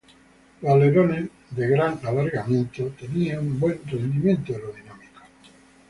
Los alerones, de gran alargamiento, tenían buen rendimiento aerodinámico.